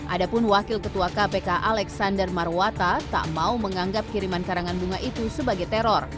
adapun wakil ketua kpk alexander marwata tak mau menganggap kiriman karangan bunga itu sebagai teror